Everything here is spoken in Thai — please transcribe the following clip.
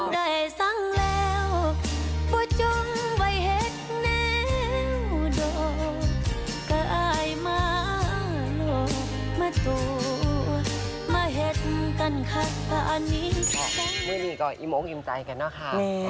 เมื่อนี้ก็อิโมะยุงอิ่มใจกันเนอะโอ้ว